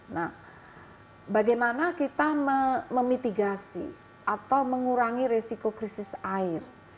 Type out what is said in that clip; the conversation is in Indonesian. nah bagaimana kita memitigasi atau mengurangi resiko krisis air